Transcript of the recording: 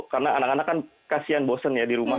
karena anak anak kan kasian bosen ya di rumah